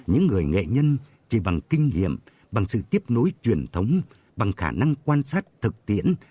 những người nghệ nhân chỉ bằng kinh nghiệm bằng sự tiếp nối truyền thống bằng khả năng quan sát thực tiễn